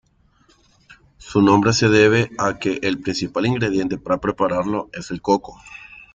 Su nombre se debe a que el principal ingrediente para prepararlo es el coco.